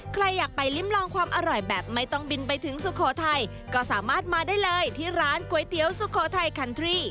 ใครอยากไปลิ้มลองความอร่อยแบบไม่ต้องบินไปถึงสุโขทัยก็สามารถมาได้เลยที่ร้านก๋วยเตี๋ยวสุโขทัยคันทรี่